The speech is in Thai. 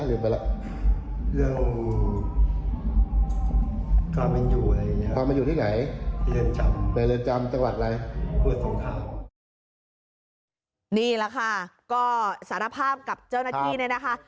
นี่แหละค่ะสาธารณภาพกับเจ้านักงานได้นะคะ